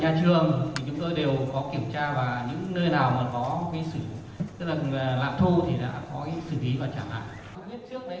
thì chúng tôi đều có kiểm tra và những nơi nào mà có lạm thu thì đã có sự ý và trả lạc